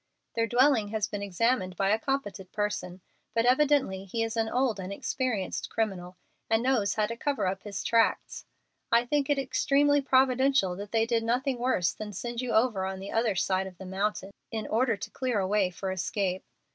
Their dwelling has been examined by a competent person, but evidently he is an old and experienced criminal and knows how to cover up his tracks. I think it extremely providential that they did nothing worse than send you over on the other side of the mountain in order to clear a way for escape.